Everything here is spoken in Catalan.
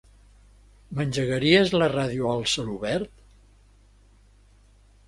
M'engegaries la ràdio al celobert?